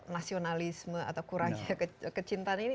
nasionalisme atau kurangnya kecintaan ini